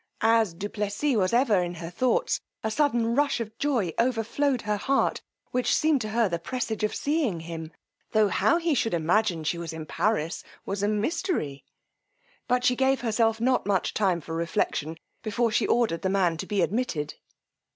As du Plessis was ever in her thoughts, a sudden rush of joy overflowed her heart, which seemed to her the presage of seeing him, tho' how he should imagine she was in Paris was a mystery: but she gave herself not much time for reflection, before she ordered the man to be admitted.